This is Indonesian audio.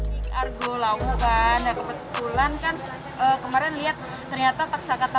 yang berbeda gimana nih yang dirasain kayak gimana kak